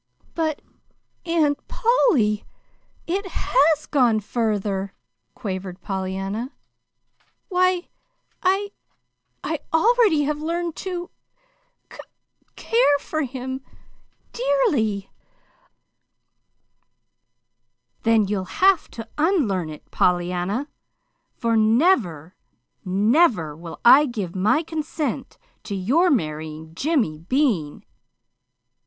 "But, Aunt Polly, it HAS gone further," quavered Pollyanna. "Why, I I already have learned to lo c care for him dearly." "Then you'll have to unlearn it, Pollyanna, for never, never will I give my consent to your marrying Jimmy Bean."